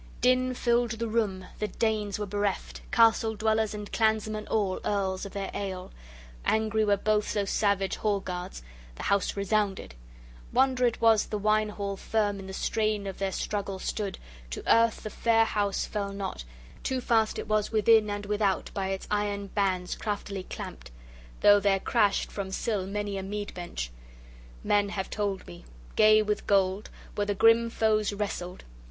Din filled the room; the Danes were bereft, castle dwellers and clansmen all, earls, of their ale. Angry were both those savage hall guards: the house resounded. Wonder it was the wine hall firm in the strain of their struggle stood, to earth the fair house fell not; too fast it was within and without by its iron bands craftily clamped; though there crashed from sill many a mead bench men have told me gay with gold, where the grim foes wrestled.